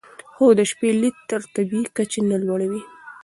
خو د شپې لید تر طبیعي کچې نه لوړوي.